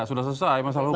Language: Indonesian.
sudah selesai masalah hukum